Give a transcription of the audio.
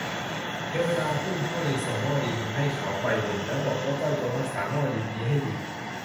เทวดาผู้เป็นพ่อจึงส่งหม้อดินให้เขาใบหนึ่ง แล้วบอกว่า เจ้าจงรักษาหม้อดินนี้ให้ดี